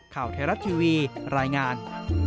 ข่าวไทยรัฐทีวีรายงาน